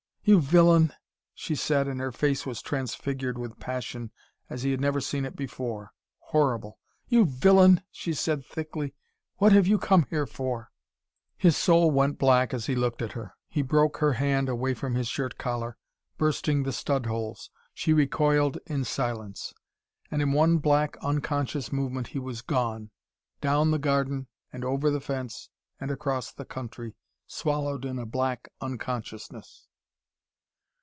"You villain," she said, and her face was transfigured with passion as he had never seen it before, horrible. "You villain!" she said thickly. "What have you come here for?" His soul went black as he looked at her. He broke her hand away from his shirt collar, bursting the stud holes. She recoiled in silence. And in one black, unconscious movement he was gone, down the garden and over the fence and across the country, swallowed in a black unconsciousness.